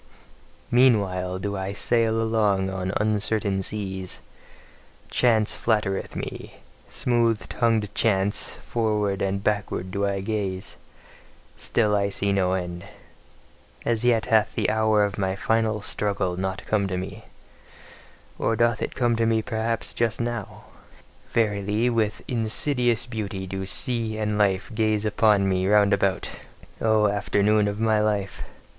Meanwhile do I sail along on uncertain seas; chance flattereth me, smooth tongued chance; forward and backward do I gaze , still see I no end. As yet hath the hour of my final struggle not come to me or doth it come to me perhaps just now? Verily, with insidious beauty do sea and life gaze upon me round about: O afternoon of my life!